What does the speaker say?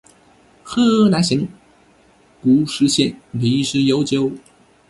河南省固始县历史悠久